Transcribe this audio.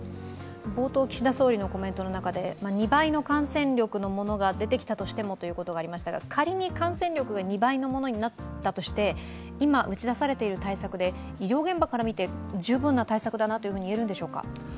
冒頭、岸田総理のコメントの中で２倍の感染力のものが出てきたとしてもという言葉がありましたが仮に感染力が２倍になったとして、今打ち出されている対策で医療現場からみて、十分な対策だなと言えるんでしょうか？